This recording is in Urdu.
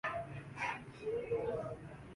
تو جہان ہے۔